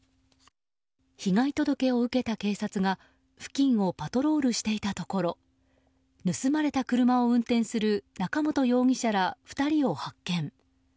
被害届を受けた警察が付近をパトロールしていたところ盗まれた車を運転する中本容疑者ら２人を発見。